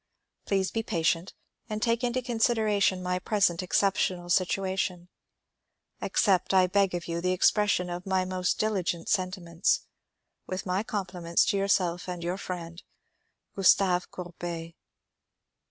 Please be patient and take into consideration my present exceptional situation. Accept, I beg of you, the expression of my most distinguished sentiments. With my compliments to yourself and your friend — Gustave Coubbet.